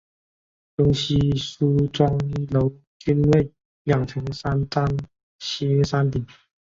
东西梳妆楼均为两层三檐歇山顶。